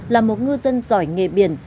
là một ngư dân giỏi nghề biển